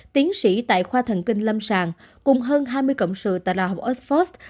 tiến sĩ tại khoa thần kinh lâm sàng cùng hơn hai mươi cộng sự tại đại học oxford